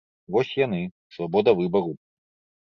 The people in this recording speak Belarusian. Вось яны, свабода выбару.